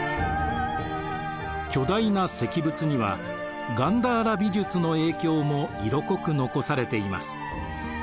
巨大な石仏にはガンダーラ美術の影響も色濃く残されています。